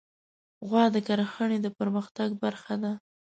غوا د کرهڼې د پرمختګ برخه ده.